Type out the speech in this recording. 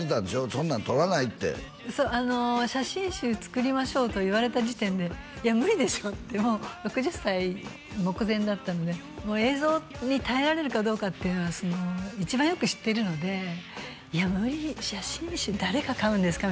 「そんなん撮らない」ってそう「写真集作りましょう」と言われた時点で「いや無理でしょ」ってもう６０歳目前だったので映像に堪えられるかどうかっていうのは一番よく知っているので「いや無理写真集誰が買うんですか？」